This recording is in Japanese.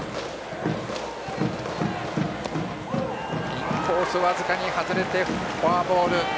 インコース僅かに外れてフォアボール。